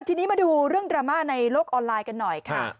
ทีนี้มาดูเรื่องดราม่าในโลกออนไลน์กันหน่อยค่ะ